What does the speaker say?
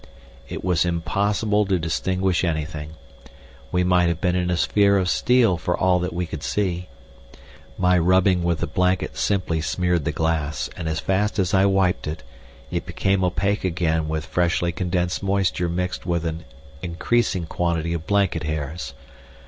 It was impossible to distinguish anything. We might have been in a sphere of steel for all that we could see. My rubbing with the blanket simply smeared the glass, and as fast as I wiped it, it became opaque again with freshly condensed moisture mixed with an increasing quantity of blanket hairs.